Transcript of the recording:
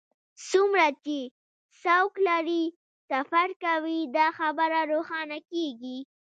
څومره چې څوک لرې سفر کوي دا خبره روښانه کیږي